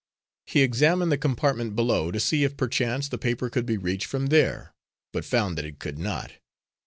He examined the compartment below to see if perchance the paper could be reached from there, but found that it could not.